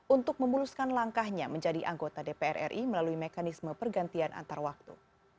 untuk memuluskan langkahnya menjadi anggota dpr ri melalui mekanisme pergantian antar waktu